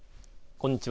こんにちは。